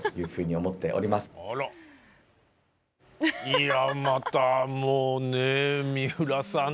いやまたもうね三浦さん